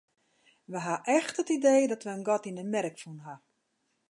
Wy hawwe echt it idee dat wy in gat yn 'e merk fûn hawwe.